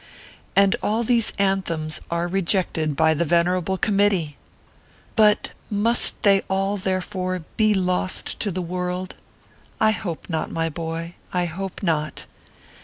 And all these " anthems" are rejected by the vener able committee ! But must they all, therefore, be lost to the world ? I hope not, my boy, I hope not.